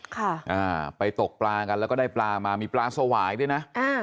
ค่ะอ่าไปตกปลากันแล้วก็ได้ปลามามีปลาสวายด้วยนะอ่า